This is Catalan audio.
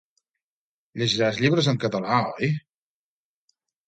Llegiràs llibres en català, oi?